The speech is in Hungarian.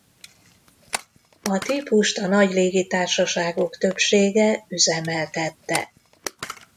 A típust a nagy légitársaságok többsége üzemeltette.